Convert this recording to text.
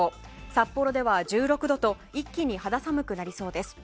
札幌では１６度と一気に肌寒くなりそうです。